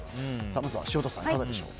まずは潮田さん、いかがでしょう。